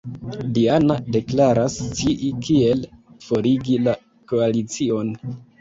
Diana deklaras scii kiel forigi la Koalicion.